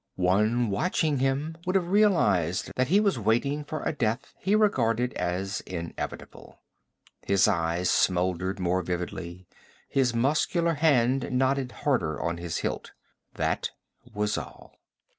One watching him would have realized that he was waiting for a death he regarded as inevitable. His eyes smoldered more vividly; his muscular hand knotted harder on his hilt; that was all.